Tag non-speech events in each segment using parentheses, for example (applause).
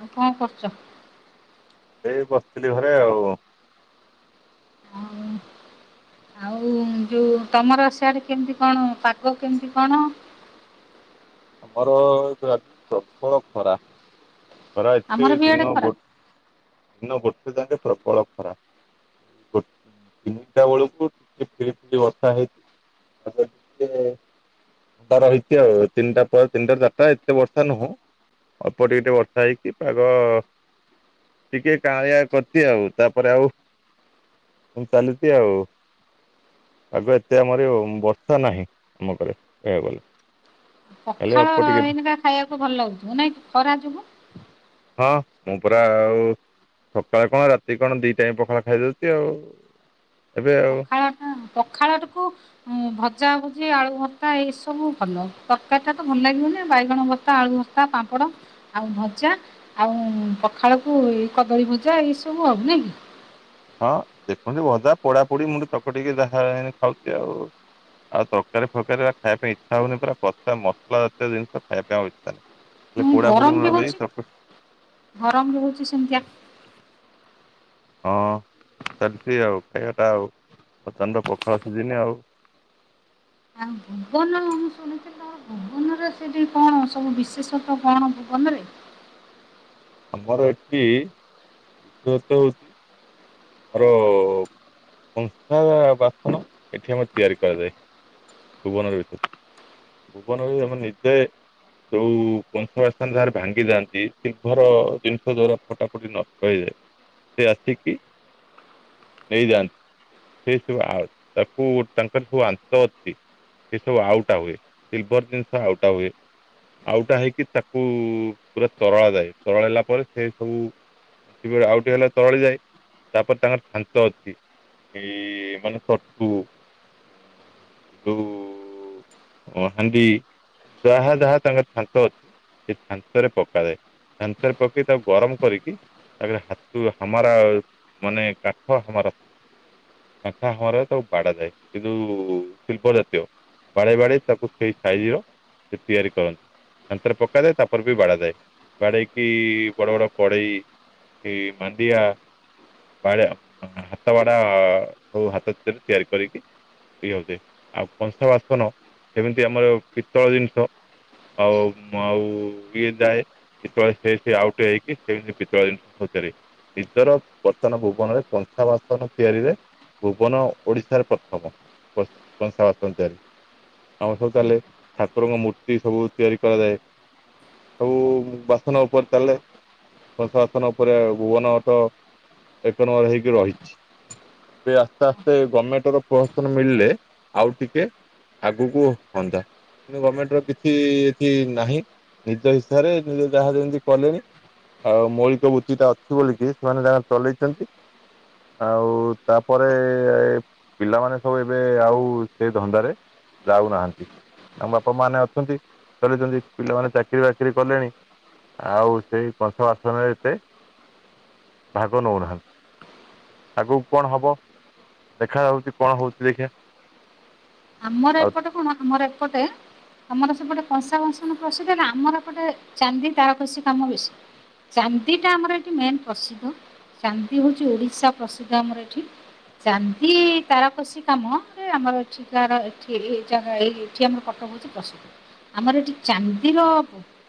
ଆଉ କଣ କରୁଛ? ଏଇ ବସିଥିଲି ଘରେ ଆଉ ଯେଉ ତମର ସିଆଡେ କେମିତି କଣ ପାଗ କେମିତି କଣ ଆମର ଗାମ ପ୍ରବଳ ଖରା ଖରା ଆମର ଏତେ ବି ଇଆଡେ ଦିନ ଖରା ବ ଦିନ ଗୋଟେ ଯାେ ପ୍ରବଳ ଖରାପ ଏଇୋ ତିନିଟା ବେଳକୁ ଟିକେ ଫିରି ଫିରି ବର୍ଷା ହେଇଛି ଆ ଟା ରହିଛି ଆଉ ତିନିଟା ତିନିଟା ଚାରିଟା ଏତେ ବର୍ଷା ନୁହଁ ଅଳ୍ପ ଟିକେ ଟିକେ ବର୍ଷା ହେଇକି ପାଗ ଟିକେ କାଳିଆ କରିଛି ଆଉ ତାପରେ ଆଉ ମୁ ଚାଲିଛି ଆଉ ଆଗ ଏତେ ଆମରି ବର୍ଷା ନାହିଁ ଆମ ଘରେ କହିବାକୁ ଗଲେ ଖାଲି ପଖାଳ ଅଳ୍ପ ଟିକେ ହେଇନକା ଖାଇବାକୁ ଭଲ ଲାଗୁଥିବ ନାଇଁ ଖରା ଯୋଗୁ ହଁ ମୁଁ ପୁରା ଆଉ ସକାଳେ କଣ ରାତି କଣ ଦି ଟାଇ ପଖାଳ ଖାଇଦଉଛି ଆଉ ଏବେ ଆଉ ପଖାଳକୁ ହ ଭଜା ଭଜି ଆଳୁ ଭତା ଏଇ ସବୁ ଭଲ ତରକାରୀ ଟା ତ ଭଲ ଲାଗିବ ନା ବାଇଗଣ ଭତା ଆଳୁ ଭତା କ ସପଡ଼ ଆଉ ଭଜା ଆଉ ପଖାଳକୁ ଏ କଦଳୀ ଭଜା ଏଇସବୁ ଆବ ନ କି ହଁ ଦେଖନ୍ତୁ ଭଜା ପୋଡା ପୋଡି ମୁଁ ତକ ଟିକେ ଯାହା ହେ ଖାଉଛି ଆଉ ଆଉ ତରକାରୀ ଫରକାରୀା ଖାଇବା ପାଇଁ ଇଚ୍ଛା ହଉନି ପୁରା ପା ମସଲା ଜୀୟିନିଷ ଖାଇବା ପାଇଁ ଆଉ ଇ୍ଛା ନାହିଁ ହେଲେ ମୁଁ ପୋଡା ପୋଡି ଗରମ ମୁଣ ବି କରି ହଉଛି ଚକ ଗରମ ବି ହଉଛି ସେମିତିଆ ହଁ ଚାଲିଛି ଆଉ ଖାଇବାଟା ଆଉ ପ୍ରଚଣ୍ଡ ପୋଖାଳ ସିଝିନି ଆଉ ଆ ଭୁବ ଶୁଣିଥିଲ ଆ ଭବନରେ ସେଠି କଣ ସବୁ ବିଶେଷତ୍ୱ କଣ ଭବନରେ ଆମର ଏଠି ବିଶଥ ହଉଛି ମୋର କଂସା ବାସନ ଏଠି ମର ତିଆରି କରାଯାଏ ଭୁବନର ଭିତରେ ଭୁବନରେ ଆମେ ନିଜେ ଯୋଉ କଂସ ସ୍ଥାନ ଯାରେ ଭାଙ୍ଗି ଯାଆନ୍ତି ସିଲଭର ଜିନିଷ ଯଵା ଫଟା ଫଟି ନଷ୍ଟ ହେଇଯାଏ ସେ ଆସିକି ନେଇଯାଆନ୍ତି ସେ ସବୁ ତାକୁ ତାଙ୍କର ସବୁ ଅନ୍ତ ଅଛି ଏସବୁ ଆଉଟା ହୁଏ ସିଲଭର ଜିନିଷ ଆଉଟା ହୁଏ ଆଉଟା ହେଇକି ତାକୁ ପୁରା ତରଳ ଯାଏ ତରଳ ହେଲା ପରେ ସେ ସବୁ ଶ ଆଉ ଟେ ହେଲେ ତଳେ ଯାଏ ତାପରେ ତାଙ୍କର ଛାଞ୍ଚ ଅଛି ଏଇ ମାନେ ତଟୁ ୁ ହଣ୍ଡି ଯାହା ଯାହା ତାଙ୍କର ଛନ୍ତ ଅଛି ସେ ଛାଞ୍ଚରେ ପକାଯାଏ ଛାଞ୍ଚରେ ପକେଇ ତାକୁ ଗରମ କରିକି ତାପରେ ହାତୁ ହାମାର ମାନେ କାଠ ହାର ସବୁ କଣ୍ଠା ହମରା ତବ ବାଡାାଯାଏ ଏ ଯଉ ଶିଳ୍ପ ଜାତୀୟ ବାଡେ ବାଡେ ତାକୁ ସେଇ ସାଇଜ ର ସେ ତିଆରି କରନ୍ତି ମଥରେ ପକାଯାଏ ତାପରେ ବି ବାଡାାଯାଏ ବାଡେଇକି ବଡ ବଡ ପଡେଇ ଏ ମନ୍ଦିଆ ବାଆ ହାତ ବାଡା ହଉ ହାତରେ ତିଆରି କରିକି ଇଏ ହଉଛି ଆଉ କଂସା ବାସନ ସେମିତି ଆମର ପିତ୍ତଳ ଜିନିଷ ଆଉ ଆଉ ଇଏ ଯାଏ ଯେତବେଳେ ସେ ସେ ଆଉଟ ହେଇକି ସେତି ବିତ ଜିନିଷ ହଚାର ନିଜର ବର୍ତ୍ତମାନ ଭୁବନରେ ପଞ୍ଚାବାସନ ତିଆରିରେ ଭୁବନ ଓଡିଶାରେ ପ୍ରଥମ କ କସ ବା ତରି ଆମ ସୁ ତାହେଲେ ଠାକୁରଙ୍କ ମୂର୍ତ୍ତି ସବୁ ତିଆରି କରାଯାଏ ସବୁ ବାସନ ଉପରେ ଚାଲେ ସଂଂସ ବାସନ ଉପରେ ଭୁବନ ଅଟ ଏକ ନର ହେଇକି ରହିଛି ଏ ଆସ୍ତେ ଆସ୍ତେ ଗଭର୍ଣମେଣ୍ଟ ର ପ୍ରୋହସନ ମିଳିଲେ ଆଉ ଟିକେ ଆଗକୁୁହ ହୁଅନ୍ତା କିନ୍ତୁ ଗଭର୍ଣମେଣ୍ଟ ର କିଛି ଏଠି ନାହିଁ ନିଜ ହିସାରେ ନିଜ ଯାହା ଯେମିତି କଲେଣି ଆଉ ମୌଳିକ ବୁତି ଟା ଅଛି ବୋିକି ସେମାନେ ତାଙ୍କ ଚଲେଇଛନ୍ତି ଆଉ ତାପରେ ଏ ପିଲାମାନେ ସବୁ ଏବେ ଆଉ ସେ ଧନ୍ଦାରେ ଯାଉନାହାନ୍ତି ଆମ ବାପା ମାନେ ଅଛନ୍ତି ଚଲିଛନ୍ତି ପିଲାମାନେ ଚାକିରି ବାକିରି କଲେଣି ଆଉ ସେଇ କଂସ ବାସନରେ ଏତେ ଭାଗ ନେଉନାହାନ୍ତି ଆଗକୁ କଣ ହେବ ଦେଖାଯାଉଛି କଣ ହେଉଛି ଦେଖିିବା ଆମର ଏପଟେ କଣ ଆମର ଏପଟେ ଆମର ସେପୋଟେ କଂସା ବଂଶନ ପ୍ରସିଦ୍ଧ ଆମର ଗୋଟେ ଚାନ୍ଦି ତା କିଛି କାମ ବେଶୀ ଚାନ୍ଦିଟା ଆମର ଏଠି ମେନ୍ ପ୍ରସିଦ୍ଧ ଚାନ୍ଦି ହେଉଛି ଓଡ଼ିଶା ପ୍ରସିଦ୍ଧ ଆମର ଏଠି ଯାନ୍ତି ତାର କସିି କାମରେ ଆମର ଅଠ ଏଠି ଏ ଜା ଏ ଏଠି ଆମର କଟକ ହେଉଛି ପ୍ରସିଦ୍ଧ ଆମର ଏଠି ଚାନ୍ଦିର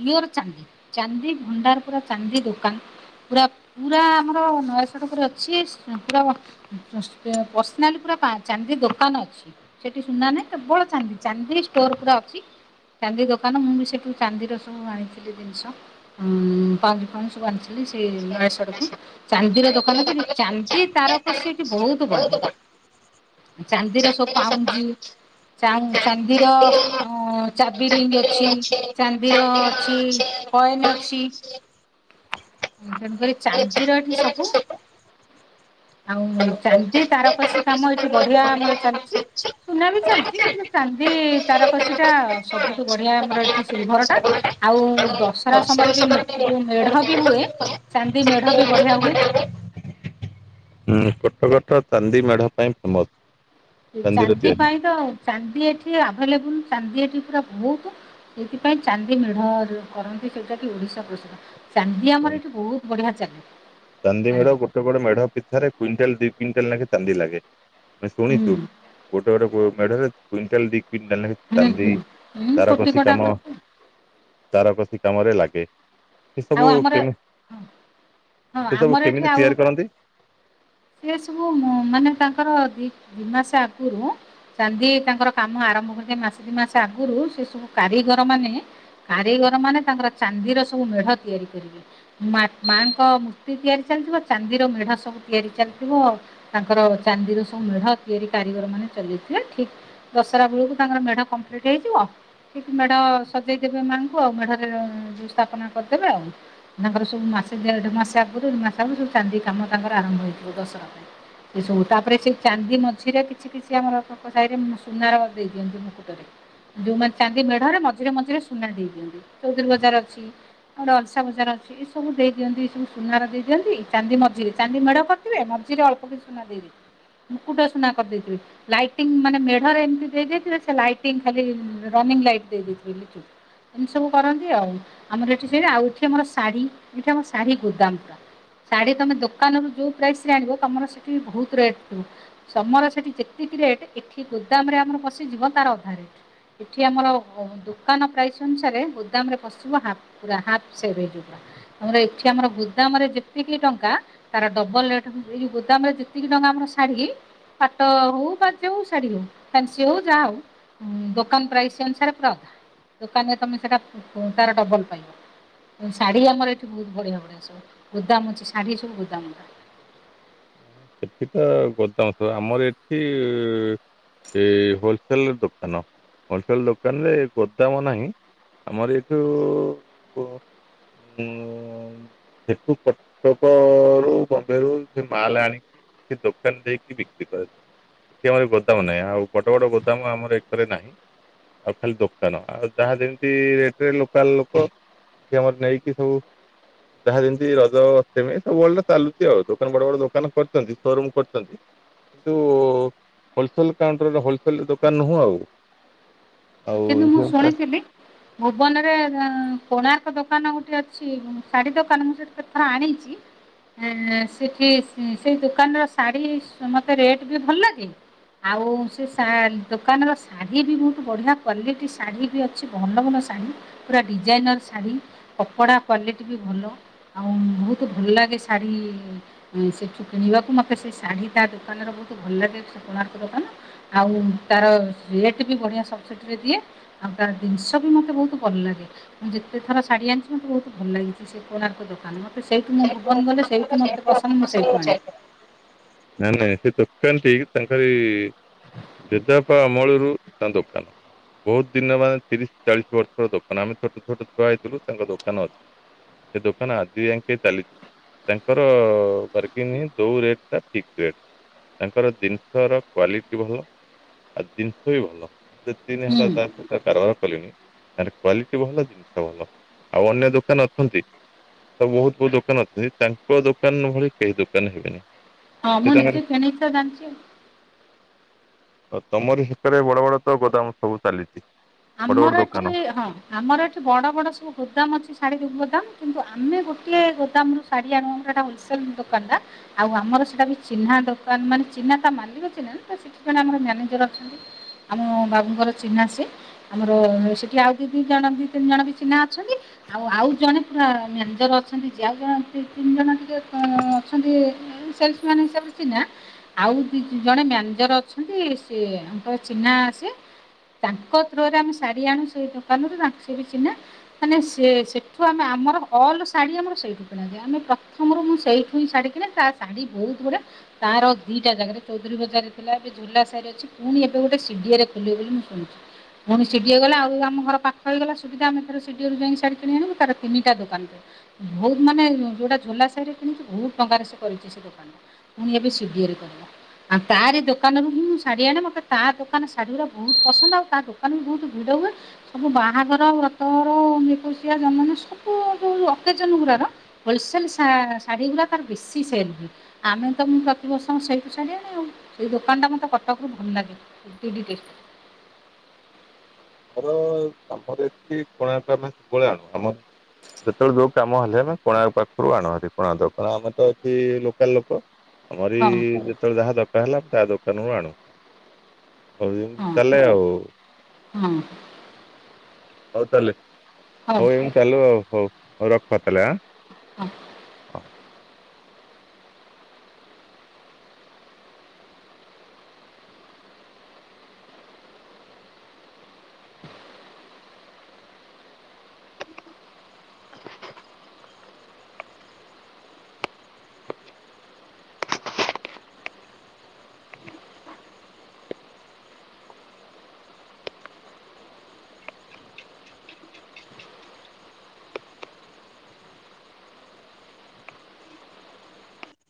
ପିଓର ଚାନ୍ଦି ଚାନ୍ଦି ଭଣ୍ଡାର ପୁର ଚାନ୍ଦି ଦୋକାନ ପୁରା ପୁରା ଆମର ନୟ ସଡ଼ ଉପରେ ଅଛି ପୁରା ପର୍ସନାଲି ପୁରା ଚାନ୍ଦି ଦୋକାନ ଅଛି ସେଠି ସୁନା ନାହିଁ କେବଳ ଚାନ୍ଦି ଚାନ୍ଦି ଷ୍ଟୋର ପୁରା ଅଛି ଚାନ୍ଦି ଦୋକାନ ମୁଁ ବି ସେଠୁ ଚାନ୍ଦିର ସବୁ ଆଣିଥିଲି ଜିନିଷ ପା ଫଣି ସବୁ ଆଣିଥିଲି ସେ ମସା ଆଉ ଚାନ୍ଦିର ଦୋକାନ ଚାନ୍ଦି ତାରକ ସେଠି ବହୁତ ବଢିଆ ଚାନ୍ଦିର ସବୁ ପାଉଁ୍ଜି ଚା ଚାନ୍ଦିର ଚାବିରିଙ୍ଗ ଅଛି ଚାନ୍ଦିର ଅଛି କଏନ ଅଛି ତେଣୁକରି ଚାନ୍ଦିର ଏଠି ସବୁ ଆଉ ଚାନ୍ଦି ତାରକସିୀ କାମ ଏଇଠି ବଢିଆ ଆମର ଚାଲିଛି ସୁନା ବି ଚାଲିଛି କିନ୍ତୁ ଚାନ୍ଦି ତାରକସୀ ଟା ସବୁଠୁ ବଢିଆ ଆମର ଏଠି ସିଲଭର ଟା ଆଉ ଦଶରା ସମୟରେ ବି ଯୋଉ ମେଢ ବି ହୁଏ ଚାନ୍ଦି ମେଢ ବି ବଢିଆ ହୁଏ କଟକଟ ଚାନ୍ଦି ମେଢ଼ ପାଇଁ ଫେମସ୍ ଚାନ୍ଦି ପାଇଁ ତ ଚାନ୍ଦି ଏଠି ଆଭେଲେବୁଲ ଚାନ୍ଦି ଏଠି ପୁରା ବହୁତ ସେଇଥିପାଇଁ ଚାନ୍ଦି ମିଢ କରନ୍ତି ସେଇଟା କି ଓଡିଶା ପ୍ରସିଦ୍ଧ ଚାନ୍ଦି ଆମର ଏଠି ବହୁତ ବଢିଆ ଚାନ୍ଦି ଚାନ୍ଦି ମେଢ ଗୋଟେ ଗୋଟ ମେଢ ପିଠାରେ କୁଇଣ୍ଟାଲ ଦି କୁଇଣ୍ଟାଲ ଲାଗେ ଚାନ୍ଦି ଲାଗେ ଆମେ ହୁଁ ଶୁଣିଛୁ ଗୋଟେ ଗୋଟେ ମେଢରେ କୁଇଣ୍ଟାଲ ଦି କୁଇଣ୍ଟାଲ ହୁଁ କାନ୍ଦି ହୁଁ। ହୁଁ ତାର କୋଟି କଛି କଟା କାମ ତାରକସି କାମରେ ଲାଗେ ସେ ଆଉ ସବୁ ଆମର କେମି ହଁ ସେ ସବୁ ଆମର ଏଠି କେମିତି ଆଉ ତିଆରି କରନ୍ତି? ସେ ସବୁ ମାନେ ତାଙ୍କର ଦି ଦି ମାସ ଆଗୁରୁ ଚାନ୍ଦି ତାଙ୍କର କାମ ଆରମ୍ଭ କରିିକ ମାସେ ଦୁଇ ମାସ ଆଗରୁ ସେ ସବୁ କାରିଗର ମାନେ କାରିଗର ମାନେ ତାଙ୍କର ଚାନ୍ଦିର ସବୁ ମେଢ ତିଆରି କରିବେ। ମାଆଙ୍କ ମୂର୍ତ୍ତି ତିଆରି ଚାଲିଥିବ, ଚାନ୍ଦିର ମେଢା ସବୁ ତିଆରି ଚାଲିଥିବ। ତାଙ୍କର ଚାନ୍ଦିରୁ ସବୁ ମେଢ ତିଆରି କାରିଗର ମାନେ ଚଲେଇଥିବେ ଠିକ। ଦଶହରା ବେଳକୁ ତାଙ୍କର ମେଢ କମ୍ପ୍ଲିଟ୍ ହେଇଯିବ। ଠିକ ମେଢ ସଜେଇଦବେ ମାଆଙ୍କୁ ଆଉ ମେଢରେ ଯୋଉ ସ୍ଥାପନା କରିଦେବେ ଆଉ ତାଙ୍କର ସବୁ ମାସେ ଦେଢ ମାସ ଆଗରୁ ଦ ମାସ ଆ ସବୁ ଚାନ୍ଦି କାମ ତାଙ୍କର ଆରମ୍ଭ ହେଇଥିବ ଦଶହରା ପାଇଁ। ଏ ସବୁ ତାପରେ ସେଇ ଚାନ୍ଦି ମଝିରେ କିଛି କିଛି ଆମର ସାହିରେ ସୁନାର ଦେଇ ଦିଅନ୍ତି ମୁକୁଟରେ। ଯୋଉମାନେ ଚାନ୍ଦି ମେଢରେ ମଝିରେ ମଝିରେ ସୁନା ଦେଇ ଦିଅନ୍ତି, ଚୌଧୁରୀ ବଜାର ଅଛି। ଧର ଅଲସା ବ ଅଛି। ଏ ସବୁ ଦେଇ ଦିଅନ୍ତି ଏ ସବୁ ସୁନାର ଦେଇ ଦିଅନ୍ତି ଚାନ୍ଦି ମଝିରେ ଚାନ୍ଦି ମେଢ କରିଥିବେ ମଝିରେ ଅଲ୍ପ କିଛି ମୁକୁଟ ସୁନା କରିଦେଇଥିବେ। ଲାଇଟିଂ ମାନେ ମେଢରେ ଏମତି ଦେଇ ଦେଇଥିବେ, ଲାଇଟିଙ୍ଗ ଖାଲି ରନିଂ ଲାଇଟ ଲିଚୁ। ଏମିତି ସବୁ କରନ୍ତି ଆଉ ଆମର ଏଠି ସେୟା, ଆଉ ଏଠି ଆମର ଶାଢୀ ଏଠି ଆମ ଶାଢୀ ଗୋଦାମ ପୁରା। ଶାଢୀ ତମେ ଦୋକାନରୁ ଯୋଉ ପ୍ରାଇସରେ ଆଣିବ ତମର ସେଠି ବହୁତ୍ ରେଟ୍ ଥିବ। ସମରେ ସେଠି ଯେତିକି ରେଟ୍ ଏଠି ଗୋଦାମ ରେ ଆମର ବଶିଯିବ ତାର ଅଧା ରେଟ। ଏଠି ଆମର ଦୋକାନ ପ୍ରାଇସ୍ ଅନୁସାରେ ଗୋଦାମରେ ପଶିବ ହାପ୍। ପୁରା ହାପ ସେଇ ରେଟ୍ ଗୁରା ଆମର ଏଠି ଆମର ଗୋଦାମରେ ଯେତିକି ଟଙ୍କା ତାର ଡବଲ ରେଟ୍ ଏଯୋଉ ଗୋଦାମରେ ଯେତିକି ଟଙ୍କା ଆମର ଶାଢୀ ପାଟ ହଉ ବା ଯୋଉ ଶାଢୀ ହଉ ଫାନ୍ସି ହଉ ଯାହା ହଉ ଉ ଦୋକାନ ପ୍ରାଇସ୍ ଅନୁସାରେ ପୁରା ଅଧା ଦୋକାନରେ ତମେ ସେଟା ପୁ ତାର ଡବଲ ପାଇ ଶାଢୀ ଆମର ଏଠି ବହୁତ୍ ବଢିଆବଢିଆ ସବୁ ଗୋଦାମ ଅଛି ଶାଢ଼ୀ ସବୁ ଗୋଦାମ ସେଠିତ ଗୋଦାମ ଥିବ ଆମର ଏଠି ଏ ହୋଲସେଲ ଦୋକାନ ହୋଲସେଲ ଦୋକାନରେ ଗୋଦାମ ନାହିଁ। ଆମର ଏଇଠୁ କୁ ଉଁ ସେଠୁ କଟକରୁ ବମ୍ବେରୁ ସେ ମାଲ୍ ଆଣେ ଏଠି ଦୋକାନ ଦେଇକି ବିକ୍ରି କରାଯାଏ। ଏଠି ଆମର ଗୋଦାମ ନାହିଁ ଆଉ ବଡ଼ ବଡ଼ ଗୋଦାମ ଆମର ଏକରେ ନାହିଁ। ଆଉ ଖାଲି ଦୋକାନ ଆଉ ତାର ଯେମିତି ରେଷ୍ଟେନ୍ ଲୋକାଲ ଲୋକ ଏଠି ଆମର ନେଇକି ସବୁ ଯାହା ଯେମିତି ରଜ ସେମି ସବୁବେଳେତ ଚାଲିଚି ଆଉ ଦୋକାନ ବଡ଼ ବଡ଼ ଦୋକାନ କରି ଚନ୍ତି ସୋରୁମ୍ କରୁଚନ୍ତି। କିନ୍ତୁ ହୋଲସେଲ୍ କାଉଣ୍ଟର ଏଟା ହୋଲସେଲ୍ ଦୋକାନ ନୁହଁ ଆଉ। ଆଉ କିନ୍ତୁ ମୁଁ ଶୁଣିଥିଲି। ଭୁବନରେ ଅ କୋଣାର୍କ ଦୋକାନ ଗୋଟେ ଅଛି ଶାଢୀ ଦୋକାନ ମୁଁ ସେଠୁ କେତଥର ଆଣିଚି। ଏ ସେଠି ସେ ସେଇ ଦୋକାନର ଶାଢ଼ୀ ମତେ ରେଟ୍ ବି ଭଲ ଲାଗେ। ଆଉ ସେ ସା ଦୋକାନର ଶାଢ଼ୀବି ବହୁତ୍ ବଢ଼ିଆ କ୍ୱାଲିଟି ଶାଢ଼ୀ ବି ଅଛି ଭଲ ଭଲ ଶାଢ଼ୀ ପୁରା ଡିଜାଇନର୍ ଶାଢ଼ୀ କପଡ଼ା କ୍ଵାଲିଟି ବି ଭଲ ଆଉ ବହୁତ୍ ଭଲ ଲାଗେ ଶାଢ଼ୀ ଉ ସେଠୁ କିଣିବାକୁ ମତେ ସେ ଶାଢୀ ତା ଦୋକାନରେ ବହୁତ୍ ଭଲ ଲାଗେ ସେ କୋଣାର୍କ ଦୋକାନ ଆଉ ତାର ରେଟ୍ ବି ବଢ଼ିଆ ସବୁ ସେଠିରେ ଦିଏ ଆଉ ତା ଦିନିଷବି ମୋତେ ବହୁତ୍ ଭଲ ଲାଗେ। ମୁଁ ଯେତେ ଥର ଶାଢୀ ଆଣିଚି ମତେ ବହୁତ୍ ଭଲ ଲାଗେ ସେ କୋଣାର୍କ ଦୋକାନ ମୋ ସେଇଠୁ ମୁଁ ଭୁବନ ଗଲେ ସେଇଠୁ ମତେ ପସନ୍ଦ ମୁଁ ସେଇଠୁ ଆଣେ। ନାଇଁ ନାଇଁ ସେ ଦୋକାନଟି ତାଙ୍କରି ଜେଜେବାପା ଅମଳୁରୁ ତାଙ୍କ ଦୋକାନ। ବହୁତ୍ ଦିନ ବାଦ୍ ତିରିଶି ଚାଳିଶି ବର୍ଷର ଦୋକାନ ଆମେ ଛୋଟ ଛୋଟ ଛୁଆ ହେଇଥିଲୁ ତାଙ୍କ ଦୋକାନ ଅଛି। ଏ ଦୋକାନ ଆଜି ଯାଇ ସେ ଚାଲିଚି ତାଙ୍କର ୱାରିଙ୍ଗ୍ ନୁହେଁ ଯୋଉଁ ରେଟ୍ ଟା ଠିକ୍ ରେଟ୍। ତାଙ୍କର ଜିନିଷ ର କ୍ଵାଲିଟି ଭଲ ଆଉ ଜିନିଷ ବି ଭଲ। ଦିନେ ହୁଁ ହେଲା ଯାଆନ୍ତୁ ତା କାରବାର କଲିଣିି ତାର କ୍ଵାଲିଟି ଭଲ ଜିନିଷ ଭଲ ଆଉ ଅନ୍ୟ ଦୋକାନ ଅଛନ୍ତି। ତ ବହୁତ୍ ବହୁତ୍ ଦୋକାନ ଅଛନ୍ତି ତାଙ୍କ ଦୋକାନ ଭଳି କେହି ଦୋକାନ ହେବେନି। ହଁ ସେ ମୁଁ ତାଙ୍କରେ ଦେଖିଚି ସେଇନାଗିତ ଜାଣିଚି ଆଉ। ତମର ସେକରେ ବଡ଼ ବଡ଼ ତ ଗୋଦାମ ସବୁ ଚାଲିଚି? ଆମର ଏଠି ହଁ। ଆମର ଏଠି ବଡ଼ ବଡ଼ ସବୁ ଗୋଦାମ ଅଛି ଶାଢ଼ୀ ଗୋଦାମ କିନ୍ତୁ ଆମେ ଗୋଟଏ ଗୋଦାମରୁ ସାଢ଼ି ଆଣୁ ଆମରହେଟା ହୋଲସେଲ୍ ଦୋକାନଟା ଆଉ ଆମର ସେଇଟା ବି ଚିହ୍ନା ଦୋକାନ ମାନେ ଚିହ୍ନା ତା ମାଲିକ ଚିହ୍ନା ତସେଠି ଜଣେଆମର ମାନେଜର ଅଛନ୍ତି। ଆମ ବାବୁଙ୍କର ଚିହ୍ନା ସେ ଆମର ସେଠି ଆଉ ଦି ଦି ଜଣ ବି ତିନି ଜଣ ବି ଚିହ୍ନା ଅଛନ୍ତି। ଆଉ ଆଉ ଜଣେ ପୁରା ମ୍ୟାନେଜର ଅଛନ୍ତି ଯିଏ ଆଉ ଜଣେ ସେ ତିନି ଜଣ ଟିକେ ଅଛନ୍ତି। ହୋଲସେଲ୍ ମାନେ ସବୁ ଚିହ୍ନା ଆଉ ଦ ଜଣେ ମ୍ୟାନେଜର ଅଛନ୍ତି ସେଙ୍କର ଚିହ୍ନା ସିଏ ତାଙ୍କ ରୋ ଆମେ ଶାଢ଼ୀ ଆଣୁଛୁ ଦୋକାନରୁ ତାଙ୍କୁ ସବୁ ଚିହ୍ନା। ମାନେ ସେଠୁ ଆମେ ଆମର ଅଲ୍ ଶାଢ଼ୀ ଆମର ସେଇଠୁ କିଣାଯଏ ଆମେ ପ୍ରଥମରୁ ମୁଁ ସେଇଠୁ ହିଁ ଶାଢ଼ୀ କିଣେ ତା ଶାଢୀ ବହୁତ ଗୁଡା ତାର ଦିଟା ଜାଗାରେ ଚୌଧୁରୀ ବଜାର ଥିଲା ଏବେ ଝୁଲା ଶୀ ଅ ପୁଣି ଏବେ ଗୋଟେ ସିଡିଆରେ ଖୋଲିବେ ବୋଲି ମୁଁ ସୁଣୁଛି। ପୁଣି ସିଡ଼ିଏ ଗଲା ଆମ ଘର ପାଖଇଗଲା ସୁଧା ଆମେ ଏଥ ସଡ଼ିଏ ଯାଇ ଶା଼ୀ କିଣି ଆଣୁ ତ ତିନିଟା ଦୋକାନରେ। ବହୁତ ମାନେ ଯୋଉଟା ଝୋଲା ସାହିରେ କିଣି ବହୁତ ଟଙ୍କାରେ ସେ କରିଛି ସେ ଦୋକାନ। ପୁଣି ଏ ବି ସୁିଧିରେ କରିବା। ଆଉ ତାର ଦୋକାନରୁ ହିଁ ମୁଁ ଶାଢୀ ଆଣେ ମୋତେ ତା ଦୋକାନ ଶାଢୀ ଗୁଡା ବହୁତ ପସନ୍ଦ ଆଉ ତା ଦୋକା ଆମେ ବହୁତ ଭିଡ଼ ହୁଏ। ସବୁ ବାହାଘର ବ୍ରତର ଏକୋଶିଆ ଜନମ ସବୁ ଅତେଜନ ଗୁରା କ ହୋଲସଲ ଶାଢୀ ଗୁ ତ ବେଶି ସେଲ ହୁଏ। ଆମେ ତ ମୁଁ ପ୍ରତିବର୍ଷ ସେଇଠୁ ଛାଡିବାଣି ଆଉ ସେଇ ଦୋକାନ ଟା ମତେ କଟକ ଭଲ ଲାଗେ। ଦିଦିଦ (unintelligible) ଆମର ଆମର ଏଠି କଣକୁ ଆମେ ସବୁବେଳେ ଆଣୁ ଆମର ଯେତେବେଳେ ଯୋଉ କାମ ହେଲେ ଆମେ କୋଣା ପାଖରୁ ଆଣହରି କୋଣ ଦ କଣ ଆମେ ତ ଅଛି। ଦର ଲୋକ ଆମର ହଁ ଯେତେବେଳେ ଯାହା ଦରକାର ହେଲା ଆମେ ତା ଦୋକାନରୁୁ ଆଣୁ। ଆଉ ଯେମିତି ହଁ ତାହଲେ ଆଉ। ହଁ। ହଉ ତାହେଲେ ହଉ ଏମିତି ଚାଲୁ ଆଉ ହଉ ହଉ ରଖ ତାହେଲେଁ। ହଁ ହ